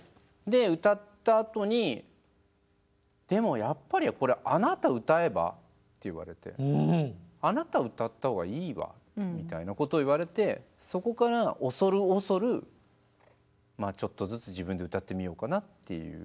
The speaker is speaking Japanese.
で歌ったあとに「でもやっぱりこれあなた歌えば？」って言われて「あなた歌った方がいいわ」みたいなことを言われてそこから恐る恐るまあちょっとずつ自分で歌ってみようかなっていう。